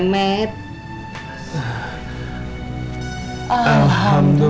no mctwist titled pacar masih k spd atau terperang hubung